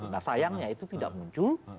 nah sayangnya itu tidak muncul